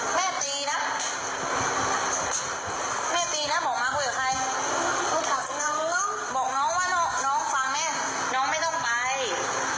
แม่ตีนะแม่ตีนะบอกมาคุยกับใครบอกน้องว่าน้องน้องฟังแม่น้องไม่ต้องไป